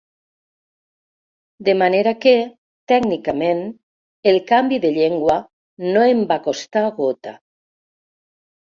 De manera que, tècnicament, el canvi de llengua no em va costar gota.